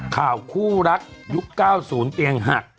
ข่าวคู่รักยุค๙๐เตียงหัก